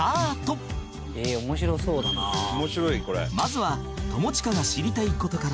まずは友近が知りたい事から